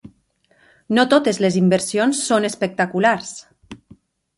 No totes les inversions són espectaculars.